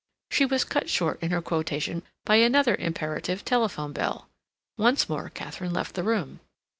She was cut short in her quotation by another imperative telephone bell. Once more Katharine left the room.